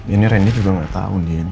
ini rendy juga gak tau